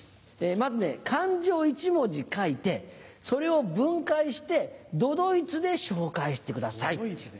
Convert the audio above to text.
まずね漢字を１文字書いてそれを分解して都々逸で紹介してください。